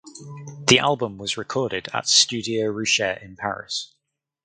The album was recorded at Studio Richer in Paris.